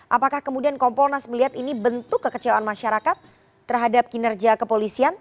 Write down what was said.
apakah kemudian kompolnas melihat ini bentuk kekecewaan masyarakat terhadap kinerja kepolisian